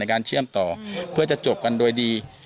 การเชื่อมต่อเพื่อจะจบกันโดยดี